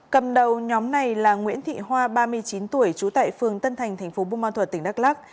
cầm đầu nhóm này là nguyễn thị hoa ba mươi chín tuổi trú tại phường tân thành thành phố bù ma thuật tỉnh đắk lắc